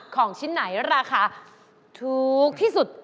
ของชิ้นไหนราคาถูกที่สุด